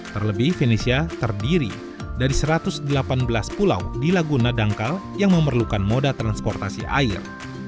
terlebih venesia terdiri dari satu ratus delapan belas pulau di laguna dangkal yang memerlukan moda transportasi air